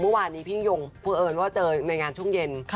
เมื่อวานนี้พี่ยงเพราะเอิญว่าเจอในงานช่วงเย็น